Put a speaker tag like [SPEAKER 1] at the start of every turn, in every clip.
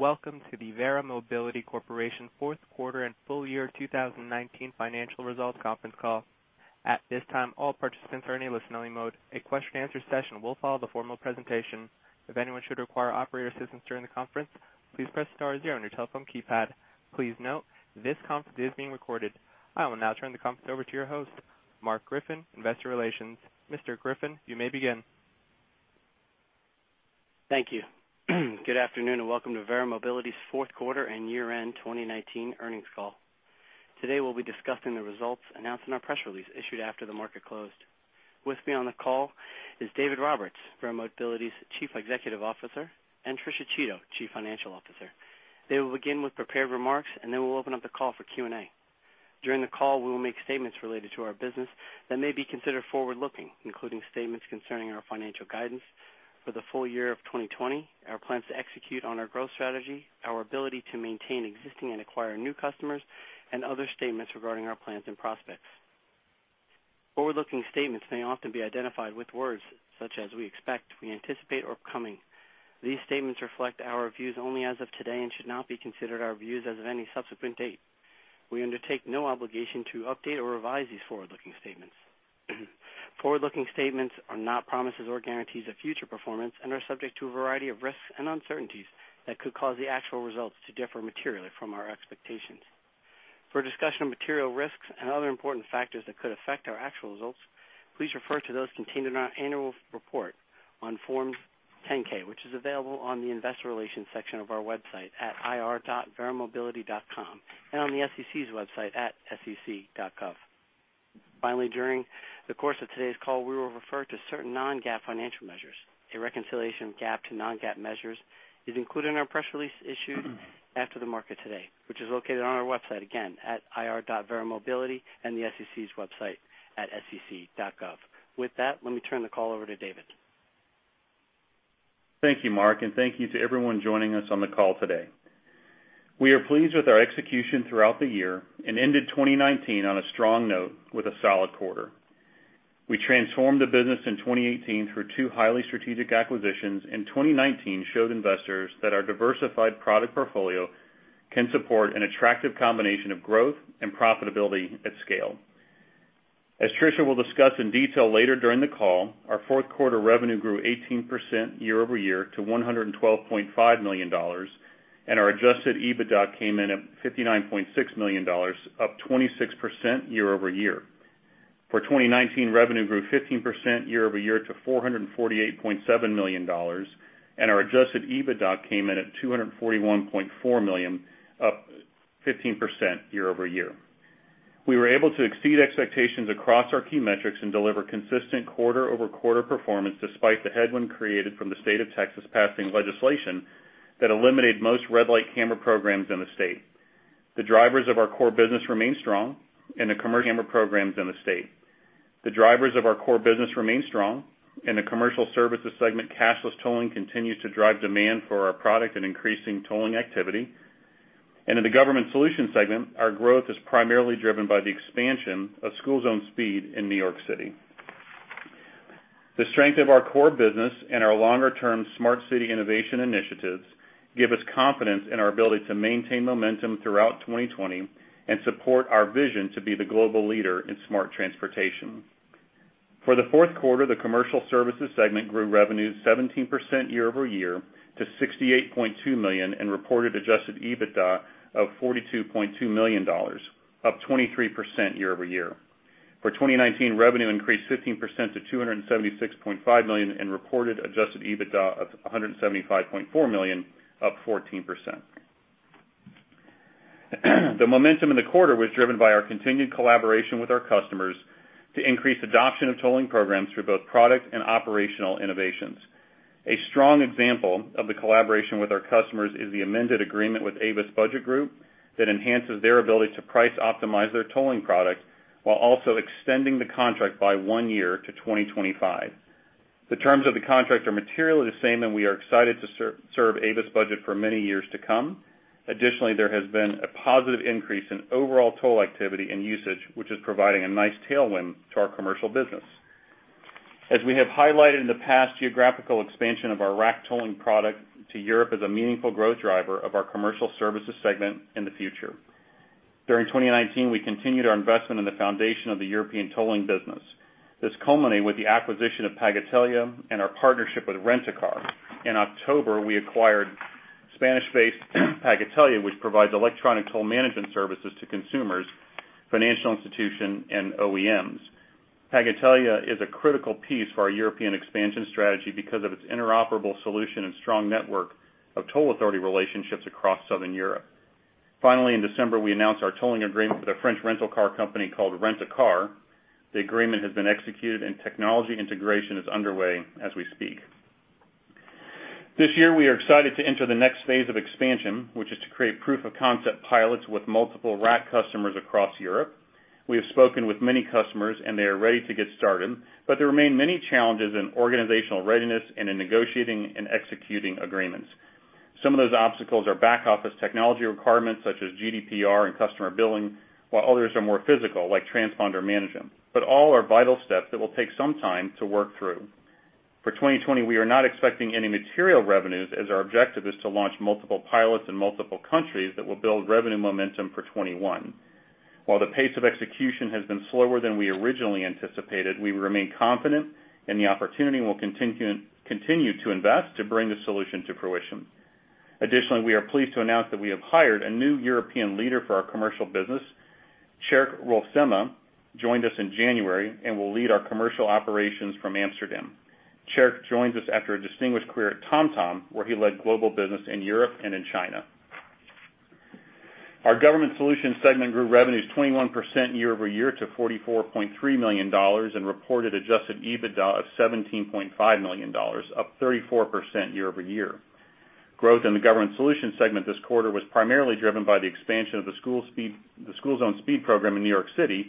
[SPEAKER 1] Greetings. Welcome to the Verra Mobility Corporation fourth quarter and full year 2019 financial results conference call. At this time, all participants are in a listening mode. A question answer session will follow the formal presentation. If anyone should require operator assistance during the conference, please press star zero on your telephone keypad. Please note this conference is being recorded. I will now turn the conference over to your host, Mark Zindler, Investor Relations. Mr. Zindler, you may begin.
[SPEAKER 2] Thank you. Good afternoon and welcome to Verra Mobility's fourth quarter and year-end 2019 earnings call. Today, we'll be discussing the results announced in our press release issued after the market closed. With me on the call is David Roberts, Verra Mobility's Chief Executive Officer, and Patricia Chiodo, Chief Financial Officer. They will begin with prepared remarks, and then we'll open up the call for Q&A. During the call, we will make statements related to our business that may be considered forward-looking, including statements concerning our financial guidance for the full year of 2020, our plans to execute on our growth strategy, our ability to maintain existing and acquire new customers, and other statements regarding our plans and prospects. Forward-looking statements may often be identified with words such as we expect, we anticipate or coming. These statements reflect our views only as of today and should not be considered our views as of any subsequent date. We undertake no obligation to update or revise these forward-looking statements. Forward-looking statements are not promises or guarantees of future performance and are subject to a variety of risks and uncertainties that could cause the actual results to differ materially from our expectations. For a discussion of material risks and other important factors that could affect our actual results, please refer to those contained in our annual report on Forms 10-K, which is available on the investor relations section of our website at ir.verramobility.com and on the SEC's website at sec.gov. Finally, during the course of today's call, we will refer to certain non-GAAP financial measures. A reconciliation of GAAP to non-GAAP measures is included in our press release issued after the market today, which is located on our website, again, at ir.verramobility and the SEC's website at sec.gov. With that, let me turn the call over to David.
[SPEAKER 3] Thank you, Mark, and thank you to everyone joining us on the call today. We are pleased with our execution throughout the year and ended 2019 on a strong note with a solid quarter. We transformed the business in 2018 through two highly strategic acquisitions, and 2019 showed investors that our diversified product portfolio can support an attractive combination of growth and profitability at scale. As Tricia will discuss in detail later during the call, our fourth quarter revenue grew 18% YoY to $112.5 million, and our Adjusted EBITDA came in at $59.6 million, up 26% YoY. For 2019, revenue grew 15% YoY to $448.7 million, and our Adjusted EBITDA came in at $241.4 million, up 15% YoY. We were able to exceed expectations across our key metrics and deliver consistent QoQ performance despite the headwind created from the state of Texas passing legislation that eliminated most red-light camera programs in the state. The drivers of our core business remain strong. In the Commercial Services segment, cashless tolling continues to drive demand for our product and increasing tolling activity. In the Government Solutions segment, our growth is primarily driven by the expansion of school zone speed in New York City. The strength of our core business and our longer-term smart city innovation initiatives give us confidence in our ability to maintain momentum throughout 2020 and support our vision to be the global leader in smart transportation. For the fourth quarter, the Commercial Services segment grew revenues 17% YoY to $68.2 million and reported Adjusted EBITDA of $42.2 million, up 23% YoY. For 2019, revenue increased 15% to $276.5 million and reported Adjusted EBITDA of $175.4 million, up 14%. The momentum in the quarter was driven by our continued collaboration with our customers to increase adoption of tolling programs through both product and operational innovations. A strong example of the collaboration with our customers is the amended agreement with Avis Budget Group that enhances their ability to price optimize their tolling product while also extending the contract by one year to 2025. The terms of the contract are materially the same. We are excited to serve Avis Budget for many years to come. Additionally, there has been a positive increase in overall toll activity and usage, which is providing a nice tailwind to our commercial business. As we have highlighted in the past, geographical expansion of our RAC tolling product to Europe is a meaningful growth driver of our Commercial Services segment in the future. During 2019, we continued our investment in the foundation of the European tolling business. This culminated with the acquisition of Pagatelia and our partnership with Rent-A-Car. In October, we acquired Spanish-based Pagatelia, which provides electronic toll management services to consumers, financial institutions, and OEMs. Pagatelia is a critical piece for our European expansion strategy because of its interoperable solution and strong network of toll authority relationships across Southern Europe. Finally, in December, we announced our tolling agreement with a French rental car company called Rent-A-Car. The agreement has been executed and technology integration is underway as we speak. This year, we are excited to enter the next phase of expansion, which is to create proof of concept pilots with multiple RAC customers across Europe. We have spoken with many customers, and they are ready to get started, there remain many challenges in organizational readiness and in negotiating and executing agreements. Some of those obstacles are back office technology requirements such as GDPR and customer billing, while others are more physical, like transponder management. All are vital steps that will take some time to work through. For 2020, we are not expecting any material revenues as our objective is to launch multiple pilots in multiple countries that will build revenue momentum for 2021. While the pace of execution has been slower than we originally anticipated, we remain confident in the opportunity and will continue to invest to bring the solution to fruition. Additionally, we are pleased to announce that we have hired a new European leader for our commercial business. Tjeerd Roelfsema joined us in January and will lead our commercial operations from Amsterdam. Tjeerd joins us after a distinguished career at TomTom, where he led global business in Europe and in China. Our Government Solutions segment grew revenues 21% YoY to $44.3 million and reported Adjusted EBITDA of $17.5 million, up 34% YoY. Growth in the Government Solutions segment this quarter was primarily driven by the expansion of the school zone speed program in New York City,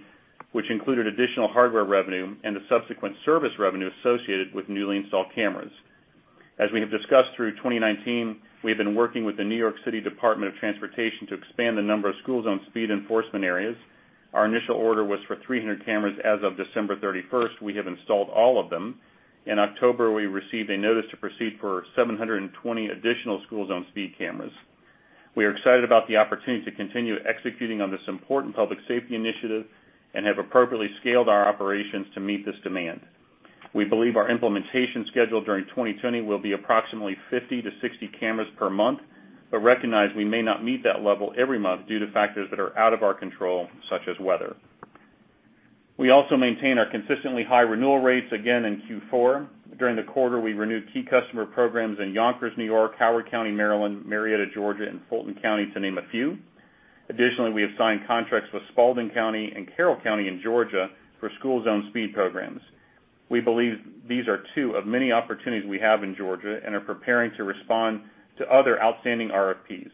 [SPEAKER 3] which included additional hardware revenue and the subsequent service revenue associated with newly installed cameras. As we have discussed through 2019, we have been working with the New York City Department of Transportation to expand the number of school zone speed enforcement areas. Our initial order was for 300 cameras. As of December 31st, we have installed all of them. In October, we received a notice to proceed for 720 additional school zone speed cameras. We are excited about the opportunity to continue executing on this important public safety initiative and have appropriately scaled our operations to meet this demand. We believe our implementation schedule during 2020 will be approximately 50 to 60 cameras per month, but recognize we may not meet that level every month due to factors that are out of our control, such as weather. We also maintain our consistently high renewal rates again in Q4. During the quarter, we renewed key customer programs in Yonkers, New York, Howard County, Maryland, Marietta, Georgia, and Fulton County, to name a few. Additionally, we have signed contracts with Spalding County and Carroll County in Georgia for School Zone Speed Programs. We believe these are two of many opportunities we have in Georgia and are preparing to respond to other outstanding RFPs.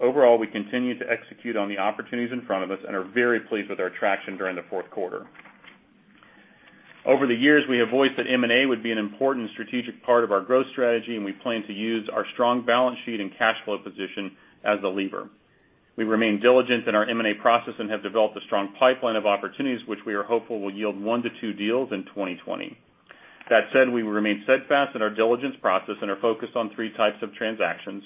[SPEAKER 3] Overall, we continue to execute on the opportunities in front of us and are very pleased with our traction during the fourth quarter. Over the years, we have voiced that M&A would be an important strategic part of our growth strategy, and we plan to use our strong balance sheet and cash flow position as a lever. We remain diligent in our M&A process and have developed a strong pipeline of opportunities, which we are hopeful will yield one to two deals in 2020. That said, we will remain steadfast in our diligence process and are focused on three types of transactions.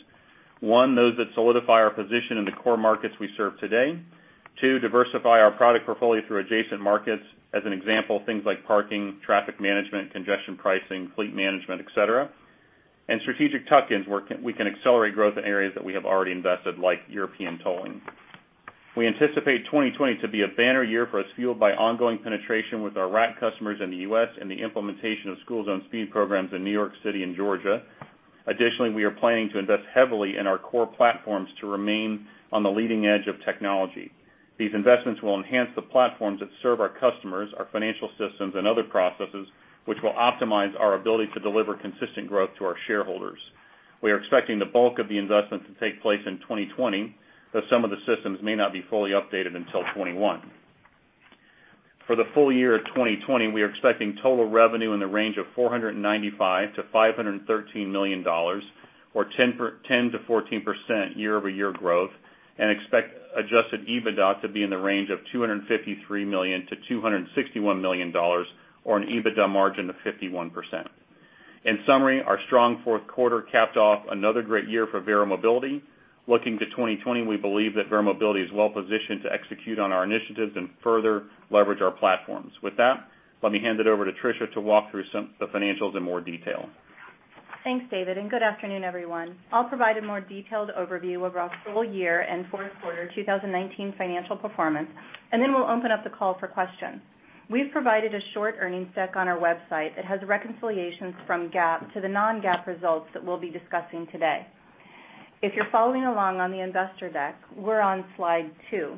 [SPEAKER 3] One, those that solidify our position in the core markets we serve today. Two, diversify our product portfolio through adjacent markets. As an example, things like parking, traffic management, congestion pricing, fleet management, et cetera. Strategic tuck-ins, where we can accelerate growth in areas that we have already invested, like European tolling. We anticipate 2020 to be a banner year for us, fueled by ongoing penetration with our RAC customers in the U.S. and the implementation of school zone speed programs in New York City and Georgia. Additionally, we are planning to invest heavily in our core platforms to remain on the leading edge of technology. These investments will enhance the platforms that serve our customers, our financial systems, and other processes, which will optimize our ability to deliver consistent growth to our shareholders. We are expecting the bulk of the investment to take place in 2020, though some of the systems may not be fully updated until 2021. For the full year of 2020, we are expecting total revenue in the range of $495 million-$513 million, or 10%-14% YoY growth, and expect Adjusted EBITDA to be in the range of $253 million-$261 million, or an EBITDA margin of 51%. In summary, our strong fourth quarter capped off another great year for Verra Mobility. Looking to 2020, we believe that Verra Mobility is well-positioned to execute on our initiatives and further leverage our platforms. With that, let me hand it over to Tricia to walk through some of the financials in more detail.
[SPEAKER 4] Thanks, David. Good afternoon, everyone. I'll provide a more detailed overview of our full year and fourth quarter 2019 financial performance. Then we'll open up the call for questions. We've provided a short earnings deck on our website that has reconciliations from GAAP to the non-GAAP results that we'll be discussing today. If you're following along on the investor deck, we're on slide two.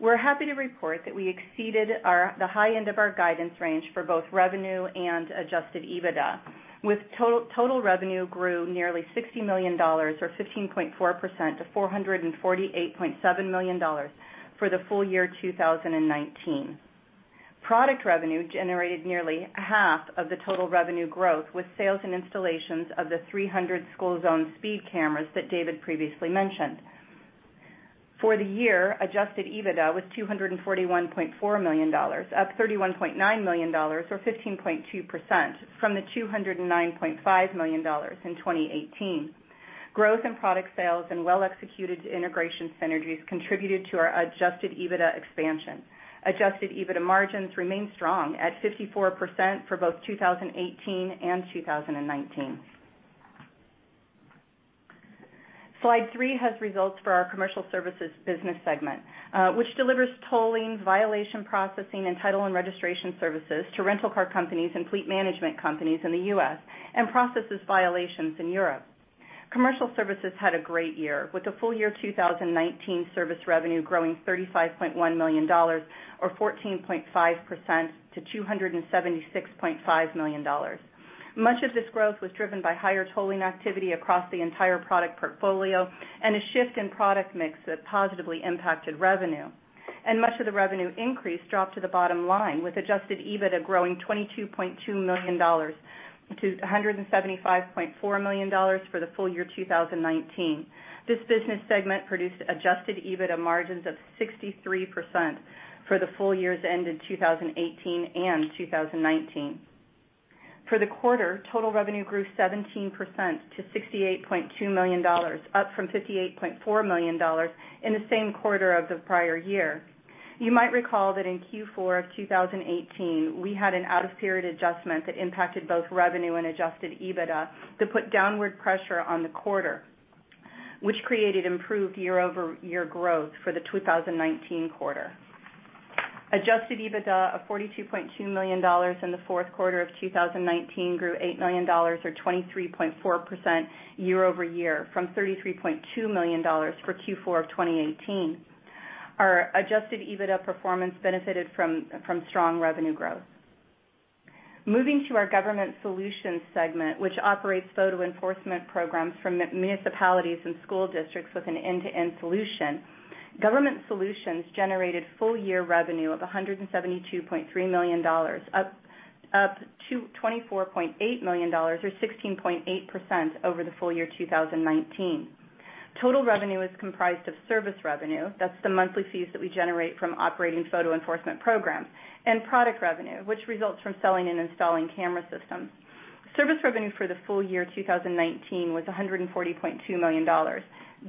[SPEAKER 4] We're happy to report that we exceeded the high end of our guidance range for both revenue and Adjusted EBITDA, with total revenue grew nearly $60 million or 15.4% to $448.7 million for the full year 2019. Product revenue generated nearly half of the total revenue growth with sales and installations of the 300 school zone speed cameras that David previously mentioned. For the year, Adjusted EBITDA was $241.4 million, up $31.9 million or 15.2% from the $209.5 million in 2018. Growth in product sales and well-executed integration synergies contributed to our Adjusted EBITDA expansion. Adjusted EBITDA margins remain strong at 54% for both 2018 and 2019. Slide three has results for our Commercial Services business segment, which delivers tolling, violation processing, and title and registration services to rental car companies and fleet management companies in the U.S., and processes violations in Europe. Commercial Services had a great year, with the full year 2019 service revenue growing $35.1 million, or 14.5%, to $276.5 million. Much of this growth was driven by higher tolling activity across the entire product portfolio and a shift in product mix that positively impacted revenue. Much of the revenue increase dropped to the bottom line, with Adjusted EBITDA growing $22.2 million to $175.4 million for the full year 2019. This business segment produced Adjusted EBITDA margins of 63% for the full years ended 2018 and 2019. For the quarter, total revenue grew 17% to $68.2 million, up from $58.4 million in the same quarter of the prior year. You might recall that in Q4 of 2018, we had an out-of-period adjustment that impacted both revenue and Adjusted EBITDA to put downward pressure on the quarter, which created improved YoY growth for the 2019 quarter. Adjusted EBITDA of $42.2 million in the fourth quarter of 2019 grew $8 million or 23.4% YoY from $33.2 million for Q4 of 2018. Our Adjusted EBITDA performance benefited from strong revenue growth. Moving to our Government Solutions segment, which operates photo enforcement programs from municipalities and school districts with an end-to-end solution. Government Solutions generated full year revenue of $172.3 million, up $24.8 million or 16.8% over the full year 2019. Total revenue is comprised of service revenue, that's the monthly fees that we generate from operating photo enforcement programs, and product revenue, which results from selling and installing camera systems. Service revenue for the full year 2019 was $140.2 million,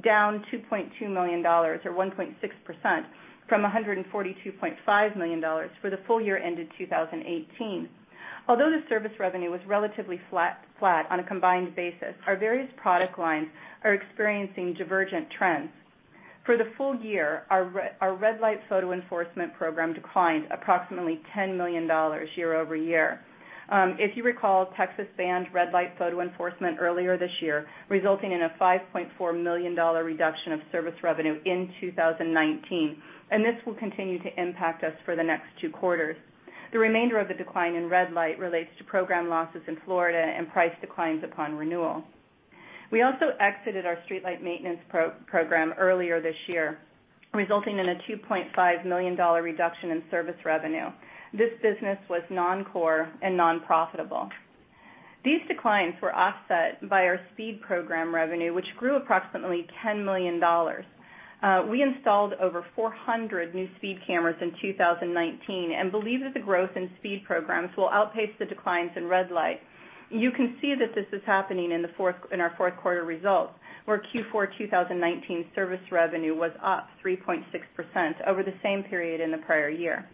[SPEAKER 4] down $2.2 million or 1.6% from $142.5 million for the full year ended 2018. Although the service revenue was relatively flat on a combined basis, our various product lines are experiencing divergent trends. For the full year, our red light photo enforcement program declined approximately $10 million YoY. If you recall, Texas banned red light photo enforcement earlier this year, resulting in a $5.4 million reduction of service revenue in 2019, and this will continue to impact us for the next two quarters. The remainder of the decline in red light relates to program losses in Florida and price declines upon renewal. We also exited our streetlight maintenance program earlier this year, resulting in a $2.5 million reduction in service revenue. This business was non-core and non-profitable. These declines were offset by our speed program revenue, which grew approximately $10 million. We installed over 400 new speed cameras in 2019 and believe that the growth in speed programs will outpace the declines in red light. You can see that this is happening in our fourth quarter results, where Q4 2019 service revenue was up 3.6% over the same period in the prior year.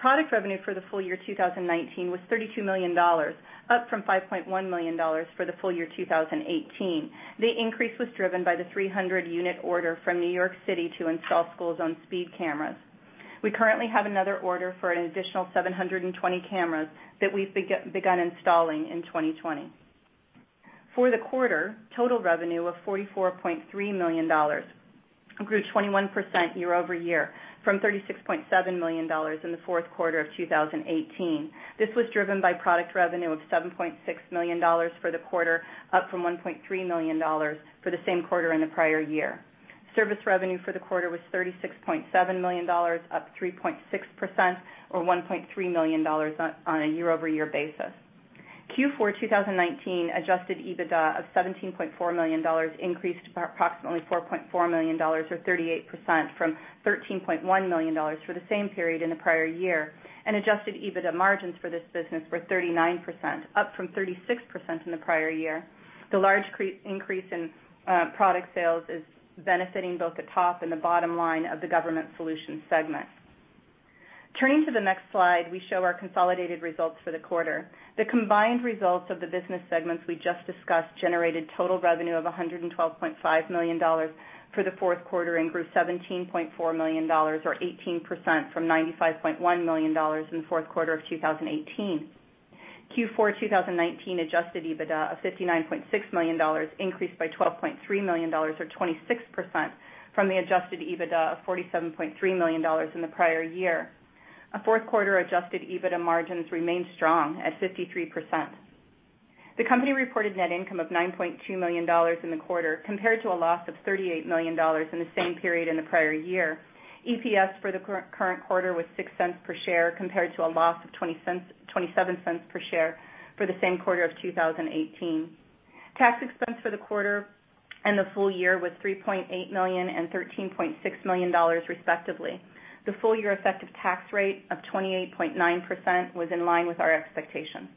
[SPEAKER 4] Product revenue for the full year 2019 was $32 million, up from $5.1 million for the full year 2018. The increase was driven by the 300 unit order from New York City to install schools on speed cameras. We currently have another order for an additional 720 cameras that we've begun installing in 2020. For the quarter, total revenue of $44.3 million grew 21% YoY from $36.7 million in the fourth quarter of 2018. This was driven by product revenue of $7.6 million for the quarter, up from $1.3 million for the same quarter in the prior year. Service revenue for the quarter was $36.7 million, up 3.6% or $1.3 million on a YoY basis. Q4 2019 Adjusted EBITDA of $17.4 million increased approximately $4.4 million or 38% from $13.1 million for the same period in the prior year. Adjusted EBITDA margins for this business were 39%, up from 36% in the prior year. The large increase in product sales is benefiting both the top and the bottom line of the Government Solutions segment. Turning to the next slide, we show our consolidated results for the quarter. The combined results of the business segments we just discussed generated total revenue of $112.5 million for the fourth quarter and grew $17.4 million, or 18%, from $95.1 million in the fourth quarter of 2018. Q4 2019 Adjusted EBITDA of $59.6 million increased by $12.3 million or 26% from the Adjusted EBITDA of $47.3 million in the prior year. A fourth quarter Adjusted EBITDA margins remained strong at 53%. The company reported net income of $9.2 million in the quarter, compared to a loss of $38 million in the same period in the prior year. EPS for the current quarter was $0.06 per share, compared to a loss of $0.27 per share for the same quarter of 2018. Tax expense for the quarter and the full year was $3.8 million and $13.6 million respectively. The full year effective tax rate of 28.9% was in line with our expectations.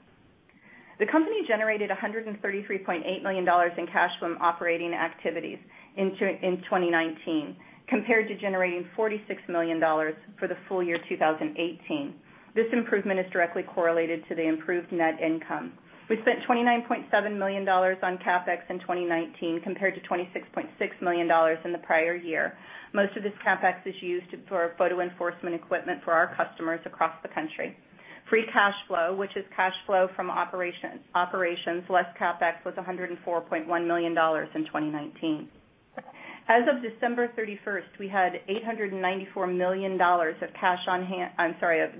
[SPEAKER 4] The company generated $133.8 million in cash from operating activities in 2019, compared to generating $46 million for the full year 2018. This improvement is directly correlated to the improved net income. We spent $29.7 million on CapEx in 2019, compared to $26.6 million in the prior year. Most of this CapEx is used for photo enforcement equipment for our customers across the country. Free cash flow, which is cash flow from operations less CapEx, was $104.1 million in 2019. As of December 31st, we had $894 million of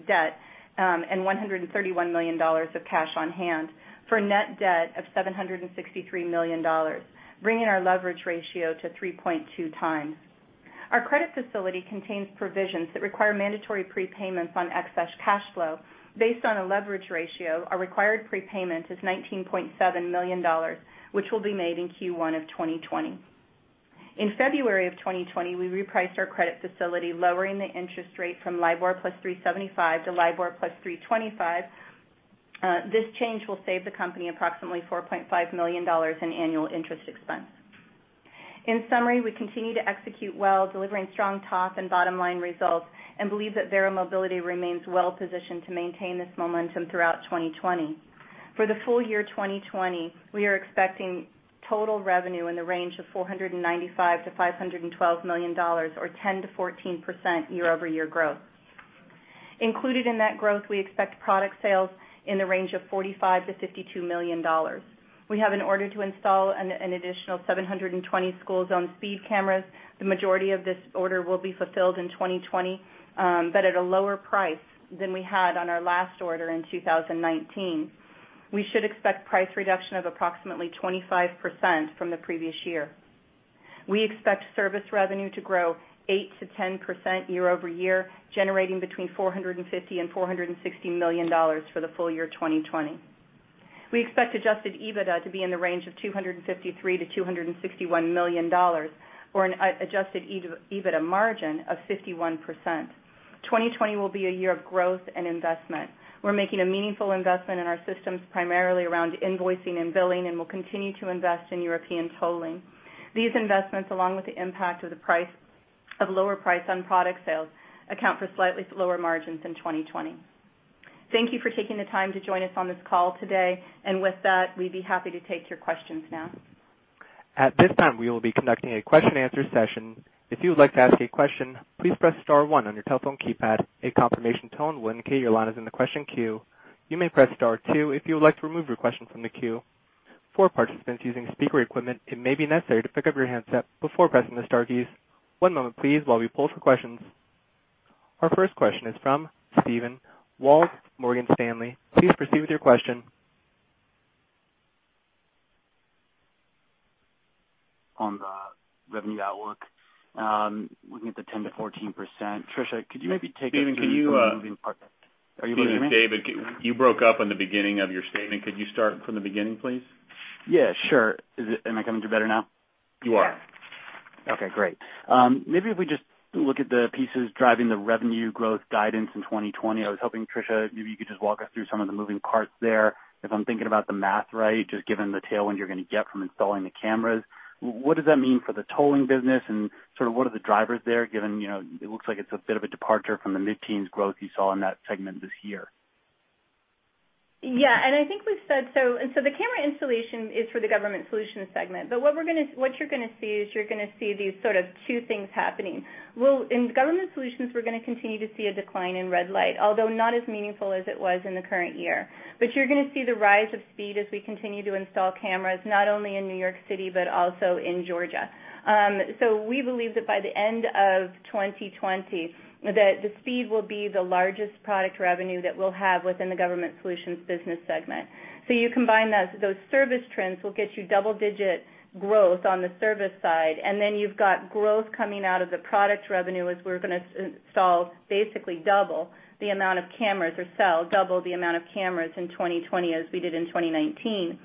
[SPEAKER 4] debt and $131 million of cash on hand. For net debt of $763 million, bringing our leverage ratio to 3.2 times. Our credit facility contains provisions that require mandatory prepayments on excess cash flow. Based on a leverage ratio, our required prepayment is $19.7 million, which will be made in Q1 of 2020. In February of 2020, we repriced our credit facility, lowering the interest rate from LIBOR plus 375 to LIBOR plus 325. This change will save the company approximately $4.5 million in annual interest expense. In summary, we continue to execute well, delivering strong top and bottom line results, and believe that Verra Mobility remains well-positioned to maintain this momentum throughout 2020. For the full year 2020, we are expecting total revenue in the range of $495 million-$512 million, or 10%-14% YoY growth. Included in that growth, we expect product sales in the range of $45 million-$52 million. We have an order to install an additional 720 school zone speed cameras. The majority of this order will be fulfilled in 2020, but at a lower price than we had on our last order in 2019. We should expect price reduction of approximately 25% from the previous year. We expect service revenue to grow 8%-10% YoY, generating between $450 million and $460 million for the full year 2020. We expect Adjusted EBITDA to be in the range of $253 million-$261 million, or an Adjusted EBITDA margin of 51%. 2020 will be a year of growth and investment. We're making a meaningful investment in our systems, primarily around invoicing and billing, and will continue to invest in European tolling. These investments, along with the impact of lower price on product sales, account for slightly lower margins in 2020. Thank you for taking the time to join us on this call today. With that, we'd be happy to take your questions now.
[SPEAKER 1] At this time, we will be conducting a question-answer session. If you would like to ask a question, please press star one on your telephone keypad. A confirmation tone will indicate your line is in the question queue. You may press star two if you would like to remove your question from the queue. For participants using speaker equipment, it may be necessary to pick up your handset before pressing the star keys. One moment please while we pull for questions. Our first question is from Steven Wald, Morgan Stanley. Please proceed with your question.
[SPEAKER 5] On the revenue outlook, looking at the 10%-14%, Tricia, could you maybe take us through from a moving part-
[SPEAKER 3] Steven, can you-
[SPEAKER 5] Are you hearing me?
[SPEAKER 3] Steven, David, you broke up on the beginning of your statement. Could you start from the beginning, please?
[SPEAKER 5] Yeah, sure. Am I coming through better now?
[SPEAKER 3] You are.
[SPEAKER 5] Okay, great. Maybe if we just look at the pieces driving the revenue growth guidance in 2020. I was hoping, Tricia, maybe you could just walk us through some of the moving parts there. If I'm thinking about the math right, just given the tailwind you're going to get from installing the cameras, what does that mean for the tolling business and sort of what are the drivers there, given it looks like it's a bit of a departure from the mid-teens growth you saw in that segment this year?
[SPEAKER 4] The camera installation is for the Government Solutions segment. What you're going to see is these sort of two things happening. In Government Solutions, we're going to continue to see a decline in red light, although not as meaningful as it was in the current year. You're going to see the rise of speed as we continue to install cameras, not only in New York City but also in Georgia. We believe that by the end of 2020, that the speed will be the largest product revenue that we'll have within the Government Solutions business segment. You combine those service trends will get you double-digit growth on the service side, and then you've got growth coming out of the product revenue as we're going to install basically double the amount of cameras or sell double the amount of cameras in 2020 as we did in 2019.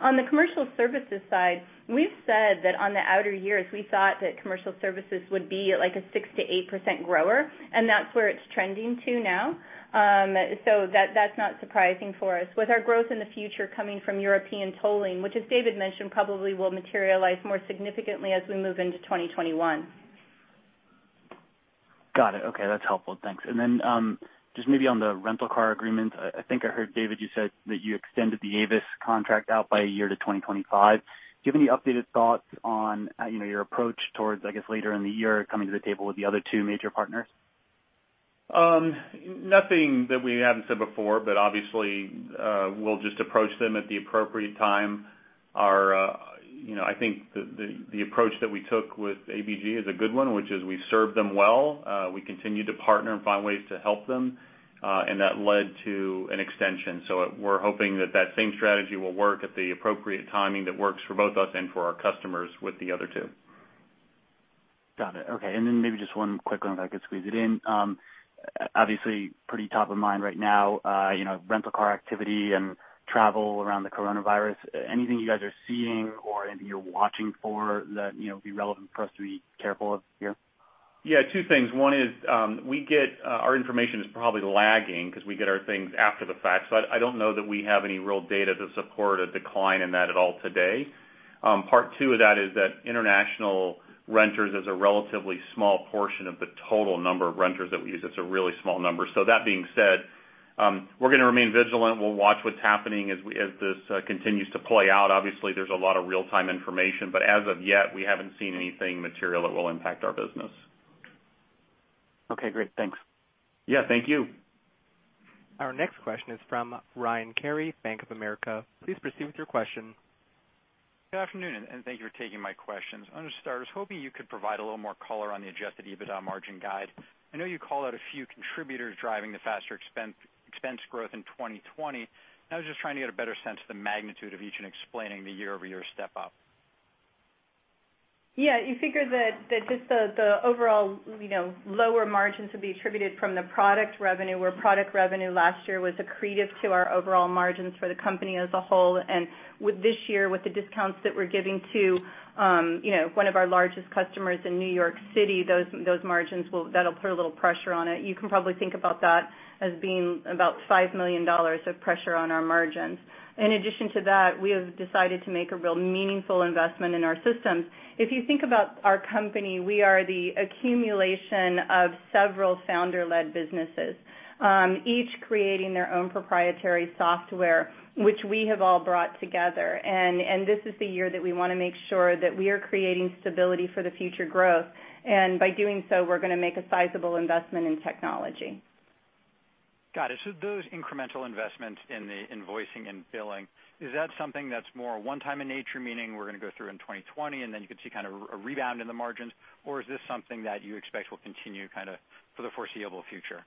[SPEAKER 4] On the Commercial Services side, we've said that on the outer years, we thought that Commercial Services would be like a 6%-8% grower, and that's where it's trending to now. That's not surprising for us. With our growth in the future coming from European tolling, which as David mentioned, probably will materialize more significantly as we move into 2021.
[SPEAKER 5] Got it. Okay. That's helpful. Thanks. Then just maybe on the rental car agreement, I think I heard, David, you said that you extended the Avis contract out by one year to 2025. Do you have any updated thoughts on your approach towards, I guess, later in the year, coming to the table with the other two major partners?
[SPEAKER 3] Nothing that we haven't said before, but obviously, we'll just approach them at the appropriate time. I think the approach that we took with ABG is a good one, which is we served them well. We continued to partner and find ways to help them, and that led to an extension. We're hoping that same strategy will work at the appropriate timing that works for both us and for our customers with the other two.
[SPEAKER 5] Got it. Okay. Then maybe just one quick one if I could squeeze it in. Obviously, pretty top of mind right now, rental car activity and travel around the coronavirus, anything you guys are seeing or anything you're watching for that would be relevant for us to be careful of here?
[SPEAKER 3] Two things. One is our information is probably lagging because we get our things after the fact. I don't know that we have any real data to support a decline in that at all today. Part two of that is that international renters is a relatively small portion of the total number of renters that we use. It's a really small number. That being said, we're going to remain vigilant. We'll watch what's happening as this continues to play out. Obviously, there's a lot of real-time information. As of yet, we haven't seen anything material that will impact our business.
[SPEAKER 5] Okay, great. Thanks.
[SPEAKER 3] Yeah, thank you.
[SPEAKER 1] Our next question is from Ryan Cary, Bank of America. Please proceed with your question.
[SPEAKER 6] Good afternoon. Thank you for taking my questions. I wanted to start, I was hoping you could provide a little more color on the Adjusted EBITDA margin guide. I know you called out a few contributors driving the faster expense growth in 2020, and I was just trying to get a better sense of the magnitude of each in explaining the YoY step up.
[SPEAKER 4] Yeah. You figure that just the overall lower margins would be attributed from the product revenue, where product revenue last year was accretive to our overall margins for the company as a whole. With this year, with the discounts that we're giving to one of our largest customers in New York City, those margins, that'll put a little pressure on it. You can probably think about that as being about $5 million of pressure on our margins. In addition to that, we have decided to make a real meaningful investment in our systems. If you think about our company, we are the accumulation of several founder-led businesses, each creating their own proprietary software, which we have all brought together. This is the year that we want to make sure that we are creating stability for the future growth. By doing so, we're going to make a sizable investment in technology.
[SPEAKER 6] Got it. Those incremental investments in the invoicing and billing, is that something that's more one-time in nature, meaning we're going to go through in 2020, and then you could see kind of a rebound in the margins? Is this something that you expect will continue for the foreseeable future?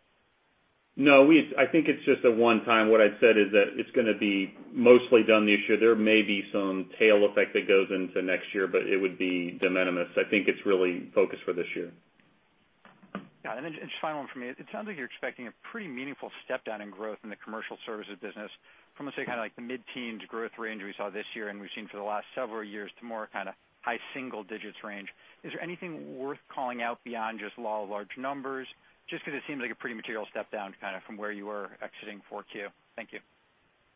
[SPEAKER 3] No. I think it's just a one-time. What I'd said is that it's going to be mostly done this year. There may be some tail effect that goes into next year, but it would be de minimis. I think it's really focused for this year.
[SPEAKER 6] Got it. Just final one from me. It sounds like you're expecting a pretty meaningful step down in growth in the Commercial Services business from, say, kind of like the mid-teens growth range we saw this year and we've seen for the last several years to more kind of high single digits range. Is there anything worth calling out beyond just law of large numbers? Just because it seems like a pretty material step down from where you were exiting Q4. Thank you.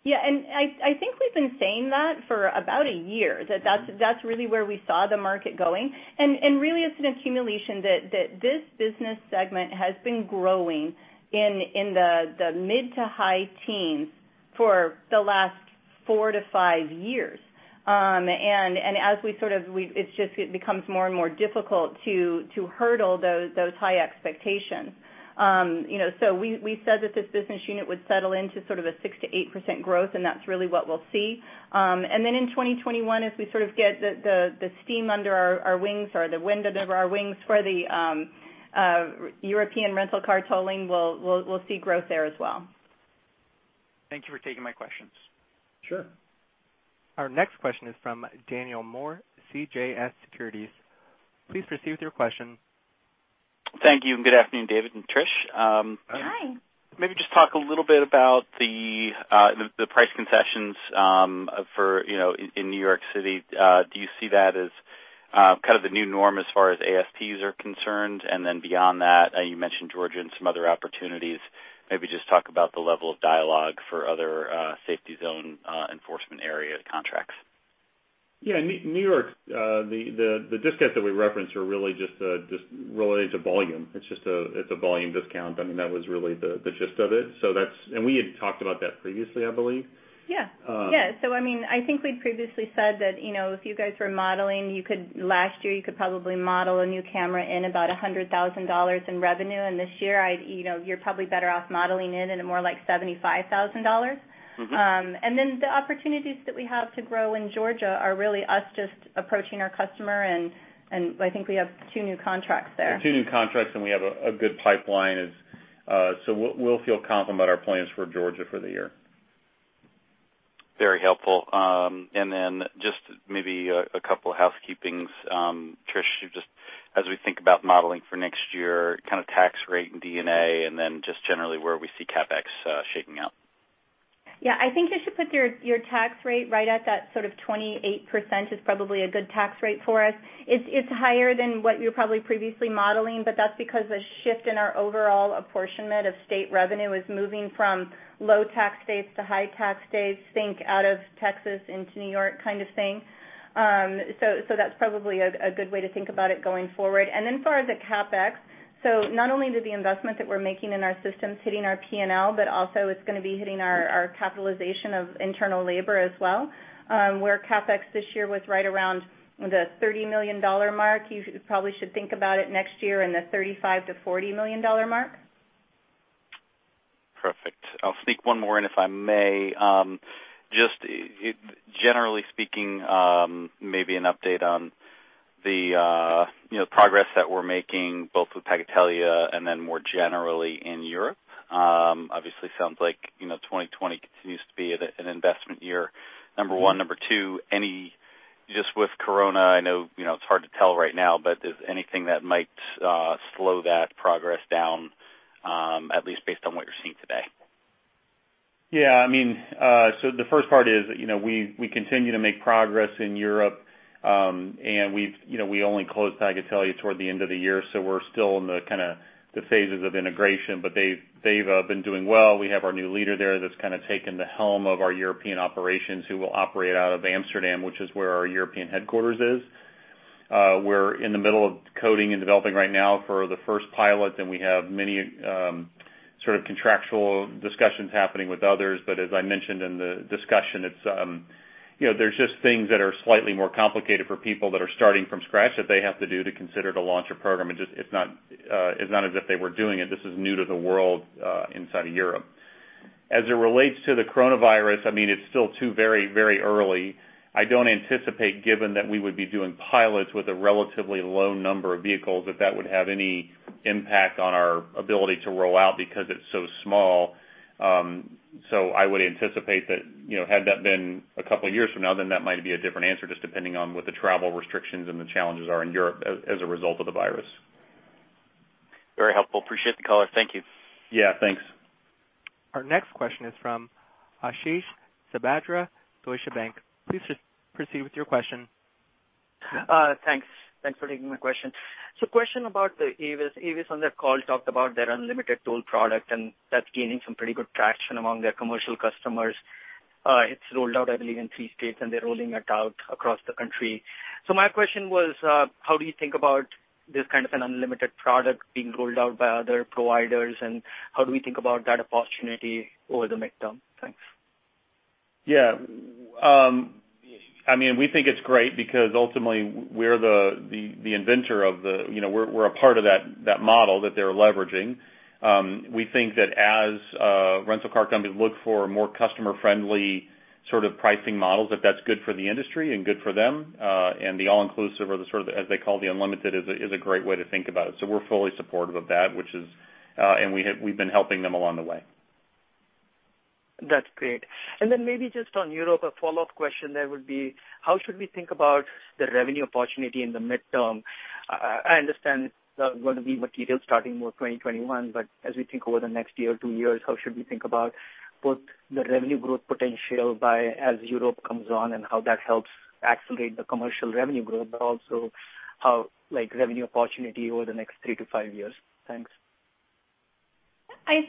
[SPEAKER 4] Yeah. I think we've been saying that for about a year, that that's really where we saw the market going. Really, it's an accumulation that this business segment has been growing in the mid-to-high teens for the last four to five years. As it just becomes more and more difficult to hurdle those high expectations. We said that this business unit would settle into sort of a 6%-8% growth, and that's really what we'll see. Then in 2021, as we sort of get the steam under our wings or the wind under our wings for the European rental car tolling, we'll see growth there as well.
[SPEAKER 6] Thank you for taking my questions.
[SPEAKER 3] Sure.
[SPEAKER 1] Our next question is from Daniel Moore, CJS Securities. Please proceed with your question.
[SPEAKER 7] Thank you, and good afternoon, David and Trish.
[SPEAKER 3] Hi.
[SPEAKER 4] Hi.
[SPEAKER 7] Maybe just talk a little bit about the price concessions in New York City. Do you see that as kind of the new norm as far as ASPs are concerned? Beyond that, you mentioned Georgia and some other opportunities. Maybe just talk about the level of dialogue for other safety zone enforcement area contracts.
[SPEAKER 3] Yeah. New York, the discounts that we referenced are really just related to volume. It's a volume discount. That was really the gist of it. We had talked about that previously, I believe.
[SPEAKER 4] Yeah. I think we previously said that if you guys were modeling, last year, you could probably model a new camera and about $100,000 in revenue. This year, you're probably better off modeling it in a more like $75,000. The opportunities that we have to grow in Georgia are really us just approaching our customer, and I think we have two new contracts there.
[SPEAKER 3] We have two new contracts, and we have a good pipeline. We'll feel confident about our plans for Georgia for the year.
[SPEAKER 7] Very helpful. Then just maybe a couple housekeepings. Trish, as we think about modeling for next year, kind of tax rate and D&A, and then just generally where we see CapEx shaping up.
[SPEAKER 4] I think you should put your tax rate right at that sort of 28%, is probably a good tax rate for us. It's higher than what you're probably previously modeling, but that's because the shift in our overall apportionment of state revenue is moving from low-tax states to high-tax states. Think out of Texas into New York kind of thing. That's probably a good way to think about it going forward. As far as the CapEx, so not only do the investments that we're making in our systems hitting our P&L, but also it's going to be hitting our capitalization of internal labor as well. Where CapEx this year was right around the $30 million mark, you probably should think about it next year in the $35 million-$40 million mark.
[SPEAKER 7] Perfect. I'll sneak one more in, if I may. Just generally speaking, maybe an update on the progress that we're making both with Pagatelia and then more generally in Europe. Obviously sounds like 2020 continues to be an investment year, number one. Number two, just with Corona, I know it's hard to tell right now, but is anything that might slow that progress down, at least based on what you're seeing today?
[SPEAKER 3] Yeah. The first part is we continue to make progress in Europe. We only closed Pagatelia toward the end of the year, so we're still in the kind of the phases of integration. They've been doing well. We have our new leader there that's kind of taken the helm of our European operations, who will operate out of Amsterdam, which is where our European headquarters is. We're in the middle of coding and developing right now for the first pilot, and we have many sort of contractual discussions happening with others. As I mentioned in the discussion, there's just things that are slightly more complicated for people that are starting from scratch that they have to do to consider to launch a program. It's not as if they were doing it. This is new to the world inside of Europe. As it relates to the coronavirus, it's still too very early. I don't anticipate, given that we would be doing pilots with a relatively low number of vehicles, that that would have any impact on our ability to roll out because it's so small. I would anticipate that had that been a couple of years from now, then that might be a different answer just depending on what the travel restrictions and the challenges are in Europe as a result of the virus.
[SPEAKER 7] Very helpful. Appreciate the color. Thank you.
[SPEAKER 3] Yeah, thanks.
[SPEAKER 1] Our next question is from Ashish Sabadra, Deutsche Bank. Please proceed with your question.
[SPEAKER 8] Thanks for taking my question. Question about the Avis. Avis on their call talked about their unlimited toll product and that's gaining some pretty good traction among their commercial customers. It's rolled out, I believe, in three states, and they're rolling it out across the country. My question was, how do you think about this kind of an unlimited product being rolled out by other providers and how do we think about that opportunity over the midterm? Thanks.
[SPEAKER 3] Yeah. We think it's great because ultimately we're a part of that model that they're leveraging. We think that as rental car companies look for more customer-friendly sort of pricing models, that that's good for the industry and good for them. The all-inclusive or the sort of, as they call the unlimited, is a great way to think about it. We're fully supportive of that, and we've been helping them along the way.
[SPEAKER 8] That's great. Maybe just on Europe, a follow-up question there would be how should we think about the revenue opportunity in the midterm? I understand it's going to be material starting more 2021, but as we think over the next year or two years, how should we think about both the revenue growth potential as Europe comes on and how that helps accelerate the commercial revenue growth, but also how revenue opportunity over the next three to five years? Thanks.
[SPEAKER 4] I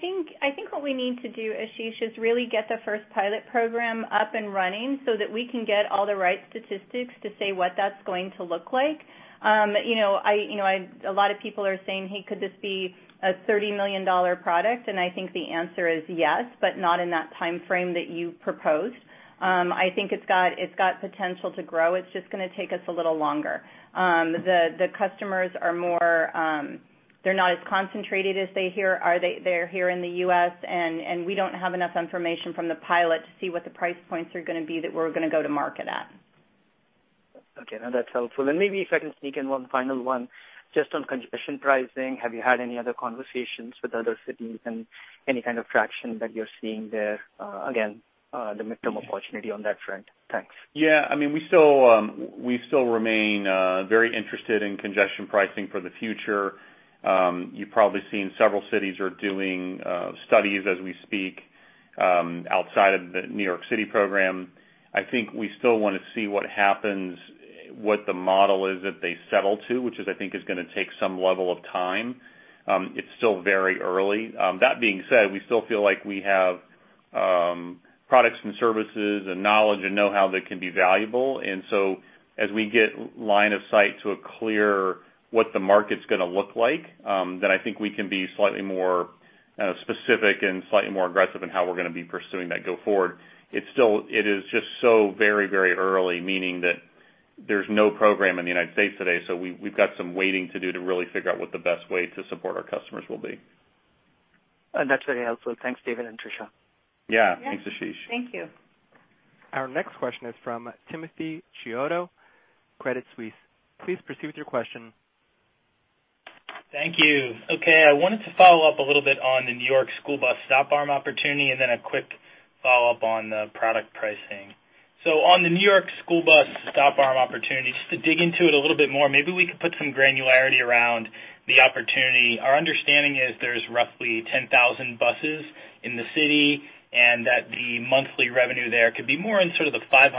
[SPEAKER 4] think what we need to do, Ashish, is really get the first pilot program up and running so that we can get all the right statistics to say what that's going to look like. A lot of people are saying, "Hey, could this be a $30 million product?" I think the answer is yes, but not in that timeframe that you proposed. I think it's got potential to grow. It's just going to take us a little longer. The customers are not as concentrated as they are here in the U.S., and we don't have enough information from the pilot to see what the price points are going to be that we're going to go to market at.
[SPEAKER 8] Okay. No, that's helpful. Maybe if I can sneak in one final one just on congestion pricing. Have you had any other conversations with other cities and any kind of traction that you're seeing there? Again, the midterm opportunity on that front. Thanks.
[SPEAKER 3] We still remain very interested in congestion pricing for the future. You've probably seen several cities are doing studies as we speak outside of the New York City program. I think we still want to see what happens, what the model is that they settle to, which is, I think, is going to take some level of time. It's still very early. That being said, we still feel like we have products and services and knowledge and know-how that can be valuable. As we get line of sight to a clear what the market's going to look like, then I think we can be slightly more specific and slightly more aggressive in how we're going to be pursuing that go forward. It is just so very early, meaning that there's no program in the United States today. We've got some waiting to do to really figure out what the best way to support our customers will be.
[SPEAKER 8] That's very helpful. Thanks, David and Tricia.
[SPEAKER 3] Yeah. Thanks, Ashish.
[SPEAKER 4] Thank you.
[SPEAKER 1] Our next question is from Timothy Chiodo, Credit Suisse. Please proceed with your question.
[SPEAKER 9] Thank you. Okay. I wanted to follow up a little bit on the New York school bus stop arm opportunity and then a quick follow-up on the product pricing. On the New York school bus stop arm opportunity, just to dig into it a little bit more, maybe we could put some granularity around the opportunity. Our understanding is there's roughly 10,000 buses in the City and that the monthly revenue there could be more in sort of the $500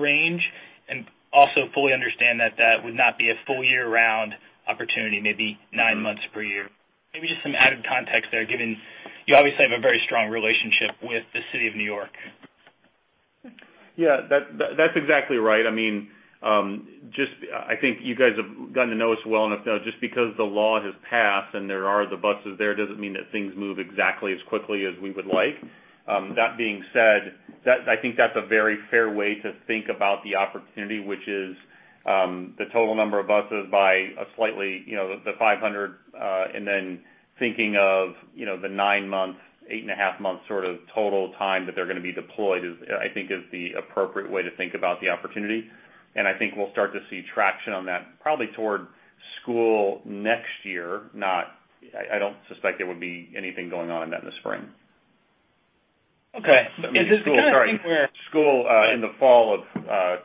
[SPEAKER 9] range and also fully understand that that would not be a full year-round opportunity, maybe nine months per year. Maybe just some added context there, given you obviously have a very strong relationship with the City of New York.
[SPEAKER 3] That's exactly right. I think you guys have gotten to know us well enough to know just because the law has passed and there are the buses there doesn't mean that things move exactly as quickly as we would like. That being said, I think that's a very fair way to think about the opportunity, which is the total number of buses by a slightly, the 500 and then thinking of the nine-month, 8.5-month sort of total time that they're going to be deployed is, I think, is the appropriate way to think about the opportunity. I think we'll start to see traction on that probably toward school next year. I don't suspect there would be anything going on in that in the spring.
[SPEAKER 9] Okay. Is this the kind?
[SPEAKER 3] School in the fall of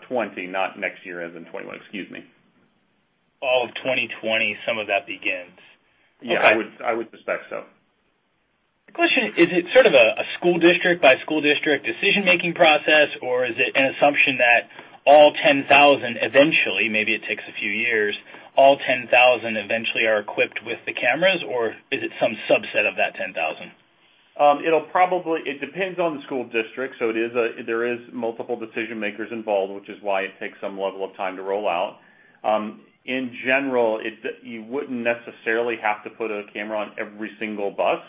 [SPEAKER 3] 2020, not next year as in 2021. Excuse me.
[SPEAKER 9] Fall of 2020, some of that begins.
[SPEAKER 3] Yeah.
[SPEAKER 9] Okay.
[SPEAKER 3] I would suspect so.
[SPEAKER 9] The question, is it sort of a school district by school district decision-making process or is it an assumption that all 10,000 eventually, maybe it takes a few years, all 10,000 eventually are equipped with the cameras or is it some subset of that 10,000?
[SPEAKER 3] It depends on the school district. There is multiple decision makers involved, which is why it takes some level of time to roll out. In general, you wouldn't necessarily have to put a camera on every single bus.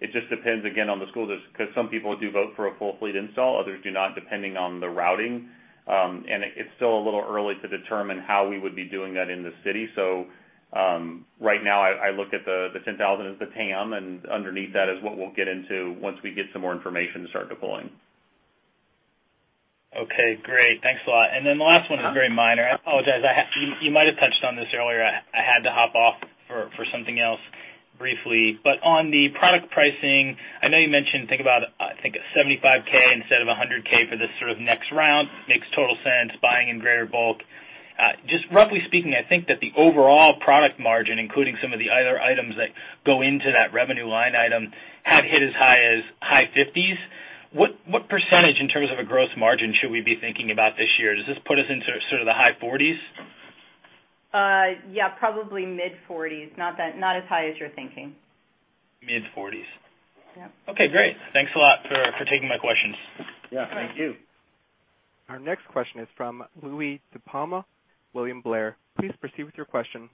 [SPEAKER 3] It just depends, again, on the school district because some people do vote for a full fleet install, others do not, depending on the routing. It's still a little early to determine how we would be doing that in the city. Right now I look at the 10,000 as the TAM and underneath that is what we'll get into once we get some more information to start deploying.
[SPEAKER 9] Okay, great. Thanks a lot. The last one is very minor. I apologize. You might have touched on this earlier. I had to hop off for something else briefly. On the product pricing, I know you mentioned, think about, I think it's 75K instead of 100K for this sort of next round. Makes total sense, buying in greater bulk. Just roughly speaking, I think that the overall product margin, including some of the other items that go into that revenue line item, have hit as high as high 50s. What percentage in terms of a gross margin should we be thinking about this year? Does this put us into sort of the high 40s?
[SPEAKER 4] Yeah, probably mid-40s. Not as high as you're thinking.
[SPEAKER 9] Mid-40s.
[SPEAKER 4] Yeah.
[SPEAKER 9] Okay, great. Thanks a lot for taking my questions.
[SPEAKER 3] Yeah, thank you.
[SPEAKER 1] Our next question is from Louie DiPalma, William Blair. Please proceed with your question.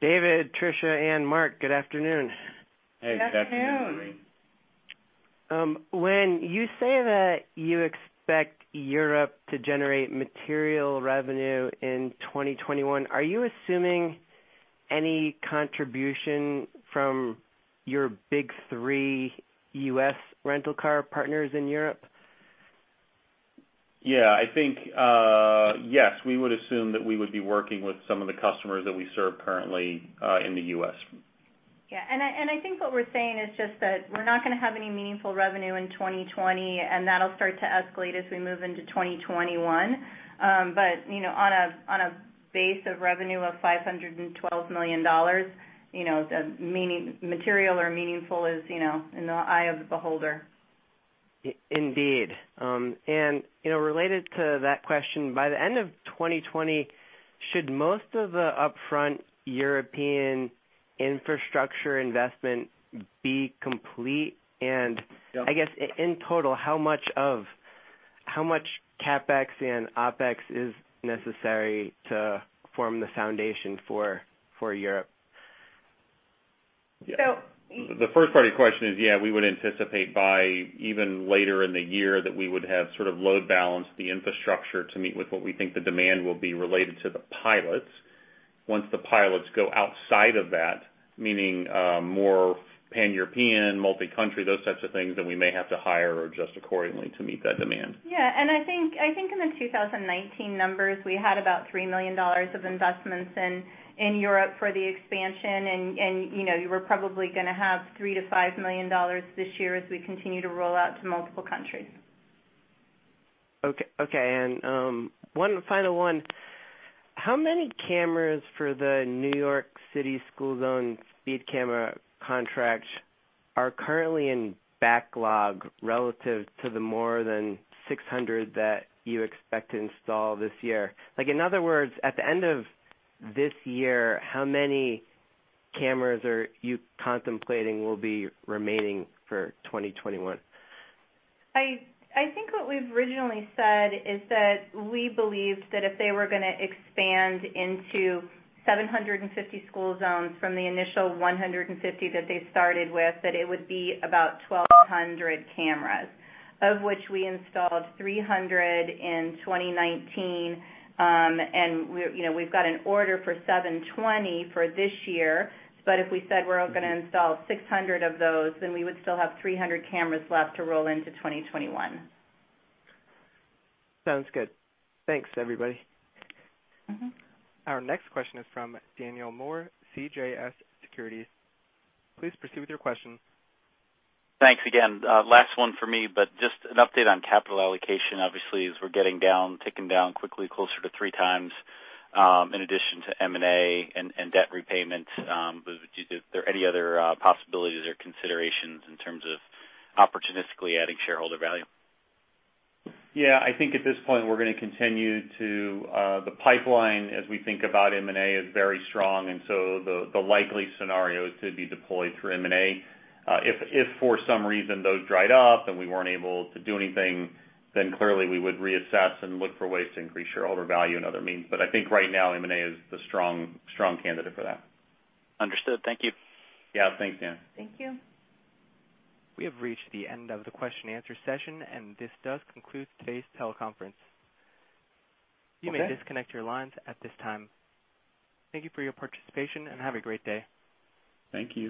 [SPEAKER 10] David, Tricia, and Mark, good afternoon.
[SPEAKER 3] Hey, good afternoon.
[SPEAKER 4] Good afternoon.
[SPEAKER 10] When you say that you expect Europe to generate material revenue in 2021, are you assuming any contribution from your big three U.S. rental car partners in Europe?
[SPEAKER 3] Yeah, I think, yes. We would assume that we would be working with some of the customers that we serve currently in the U.S.
[SPEAKER 4] Yeah, I think what we're saying is just that we're not going to have any meaningful revenue in 2020, and that'll start to escalate as we move into 2021. On a base of revenue of $512 million, material or meaningful is in the eye of the beholder.
[SPEAKER 10] Indeed. Related to that question, by the end of 2020, should most of the upfront European infrastructure investment be complete?
[SPEAKER 3] Yeah.
[SPEAKER 10] I guess, in total, how much CapEx and OpEx is necessary to form the foundation for Europe?
[SPEAKER 4] So-
[SPEAKER 3] The first part of your question is, yeah, we would anticipate by even later in the year that we would have sort of load balanced the infrastructure to meet with what we think the demand will be related to the pilots. Once the pilots go outside of that, meaning more pan-European, multi-country, those types of things, then we may have to hire or adjust accordingly to meet that demand.
[SPEAKER 4] I think in the 2019 numbers, we had about $3 million of investments in Europe for the expansion, and we're probably going to have $3 million-$5 million this year as we continue to roll out to multiple countries.
[SPEAKER 10] Okay. One final one. How many cameras for the New York City School Zone Speed Camera Contracts are currently in backlog relative to the more than 600 that you expect to install this year? In other words, at the end of this year, how many cameras are you contemplating will be remaining for 2021?
[SPEAKER 4] I think what we've originally said is that we believed that if they were going to expand into 750 school zones from the initial 150 that they started with, that it would be about 1,200 cameras, of which we installed 300 in 2019. We've got an order for 720 for this year. If we said we're only going to install 600 of those, then we would still have 300 cameras left to roll into 2021.
[SPEAKER 10] Sounds good. Thanks, everybody.
[SPEAKER 1] Our next question is from Daniel Moore, CJS Securities. Please proceed with your question.
[SPEAKER 7] Thanks again. Last one for me, just an update on capital allocation. Obviously, as we're getting down, ticking down quickly closer to 3x, in addition to M&A and debt repayment, are there any other possibilities or considerations in terms of opportunistically adding shareholder value?
[SPEAKER 3] Yeah, I think at this point The pipeline, as we think about M&A, is very strong, the likely scenario is to be deployed through M&A. If for some reason those dried up and we weren't able to do anything, then clearly we would reassess and look for ways to increase shareholder value in other means. I think right now M&A is the strong candidate for that.
[SPEAKER 7] Understood. Thank you.
[SPEAKER 3] Yeah, thanks, Dan.
[SPEAKER 4] Thank you.
[SPEAKER 1] We have reached the end of the question answer session, and this does conclude today's teleconference.
[SPEAKER 3] Okay.
[SPEAKER 1] You may disconnect your lines at this time. Thank you for your participation, and have a great day.
[SPEAKER 3] Thank you.